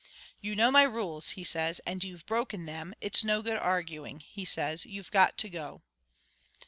"'You know my rules,' he says, 'and you've broken them. It's no good arguing,' he says, 'you've got to go.'"